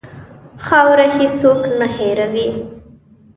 خاوره هېڅ څوک نه هېروي.